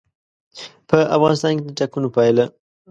په افغانستان کې د ټاکنو پایله.